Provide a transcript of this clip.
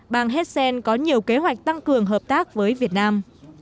bang hessen có nhiều kế hoạch tăng cường hợp tác với việt nam